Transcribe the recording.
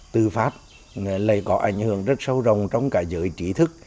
từ pháp lại có ảnh hưởng rất sâu rộng trong cả giới trí thức